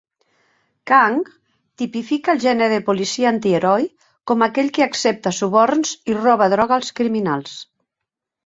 Kang tipifica el gènere de policia antiheroi, com aquell que accepta suborns i roba droga als criminals.